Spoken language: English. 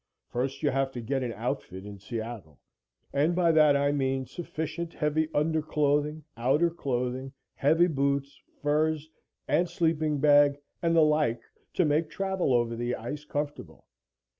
First you have to get an outfit in Seattle, and by that I mean sufficient heavy underclothing, outer clothing, heavy boots, furs and sleeping bag and the like to make travel over the ice comfortable.